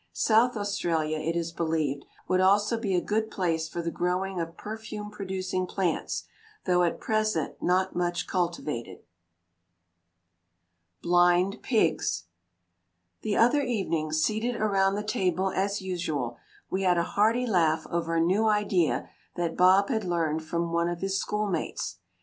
South Australia, it is believed, would also be a good place for the growing of perfume producing plants, though at present not much cultivated. [Illustration: PIGS DRAWN WITH YOUR EYES SHUT.] BLIND PIGS. The other evening, seated around the table as usual, we had a hearty laugh over a new idea that Bob had learned from one of his school mates.